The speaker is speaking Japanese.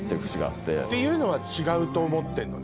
っていうのは違うと思ってんのね？